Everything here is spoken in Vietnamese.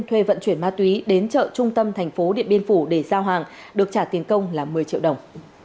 thuê vận chuyển ma túy đến chợ trung tâm thành phố điện biên phủ để giao hàng được trả tiền công là một mươi triệu đồng